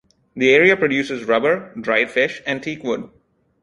The area produces rubber, dried fish, and teakwood.